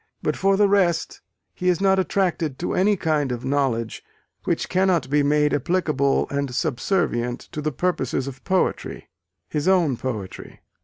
But, for the rest, he is not attracted to any kind of knowledge which cannot be "made applicable and subservient to the purposes of poetry," his own poetry.